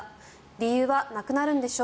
理由はなくなるんでしょ？